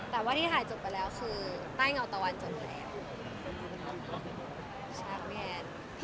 แต่ที่ถ่ายจบไปแล้วใต้เหงาตะวันจบไปแล้ว